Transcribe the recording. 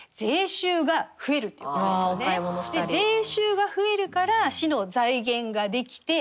税収が増えるから市の財源が出来て。